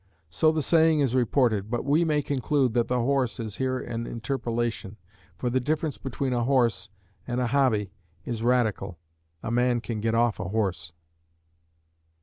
So the saying is reported, but we may conclude that the "horse" is here an interpolation, for the difference between "a horse" and "a hobby" is radical a man can get off a horse.